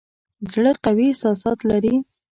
زړه قوي احساسات لري.